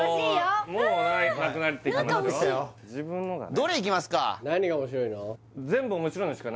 どれいきますか？